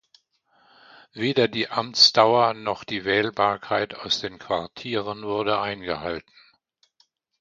Weder die Amtsdauer noch die Wählbarkeit aus den Quartieren wurde eingehalten.